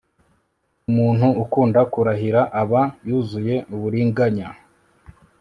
umuntu ukunda kurahira, aba yuzuye uburiganya